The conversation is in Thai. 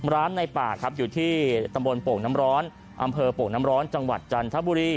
ในป่าครับอยู่ที่ตำบลโป่งน้ำร้อนอำเภอโป่งน้ำร้อนจังหวัดจันทบุรี